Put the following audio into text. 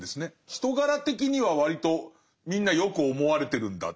人柄的には割とみんなよく思われてるんだ。